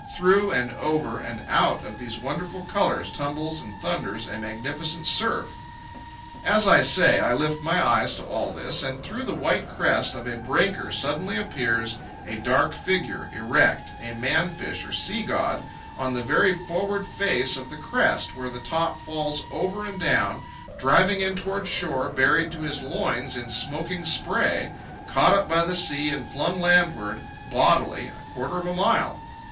Through and over and out of these wonderful colours tumbles and thunders a magnificent surf. As I say, I lift my eyes to all this, and through the white crest of a breaker suddenly appears a dark figure, erect, a man fish or a sea god, on the very forward face of the crest where the top falls over and down, driving in toward shore, buried to his loins in smoking spray, caught up by the sea and flung landward, bodily, a quarter of a mile.